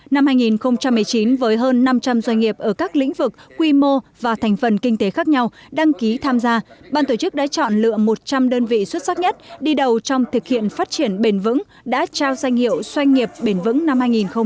năm hai nghìn một mươi chín với hơn năm trăm linh doanh nghiệp ở các lĩnh vực quy mô và thành phần kinh tế khác nhau đăng ký tham gia ban tổ chức đã chọn lựa một trăm linh đơn vị xuất sắc nhất đi đầu trong thực hiện phát triển bền vững đã trao danh hiệu doanh nghiệp bền vững năm hai nghìn một mươi chín